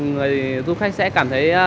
người du khách sẽ cảm thấy